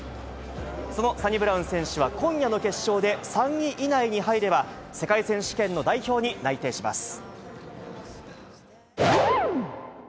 そのサニブラウン選手は、今夜の決勝で３位以内に入れば、世界選手権の代表に内定します。